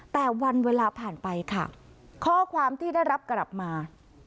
แต่วันเวลาผ่านไปค่ะข้อความที่ได้รับกลับมา